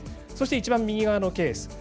そして、一番右側のケース。